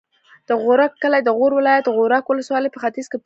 د غورک کلی د غور ولایت، غورک ولسوالي په ختیځ کې پروت دی.